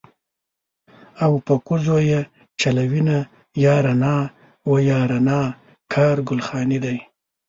او په کوزو یې چلوینه یاره نا وه یاره نا کار ګل جانی دی.